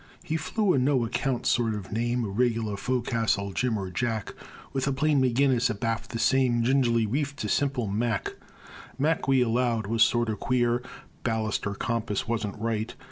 He flew a no account sort of name, A reg'lar fo'castle "Jim" or "Jack," With a plain "McGinnis" abaft the same, Giner'ly reefed to simple "Mack." Mack, we allowed, was sorter queer, Ballast or compass wasn't right.